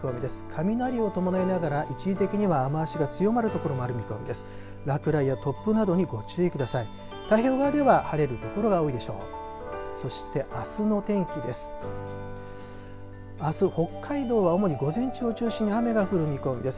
雷を伴いながら一時的には雨足が強まるところもある見込みです。